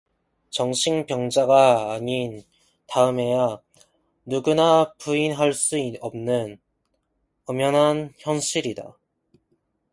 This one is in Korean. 정신병자가 아닌 다음에야 누구나 부인할 수 없는 엄연한 현실이다.